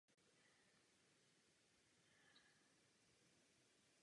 V posledních měsících před smrtí byl upoután na lůžko.